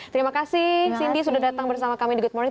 terima kasih cindy sudah datang bersama kami di good morning